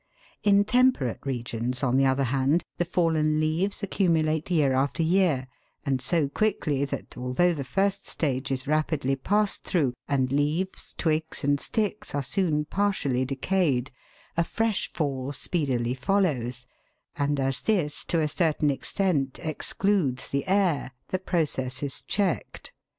In temperate regions, on the other hand, the fallen leaves accumulate year after year, and so quickly that, although the first stage is rapidly passed through, and leaves, twigs, and sticks, are soon partially decayed, a fresh fall speedily follows, and as this to a certain extent excludes the air, the process is checked.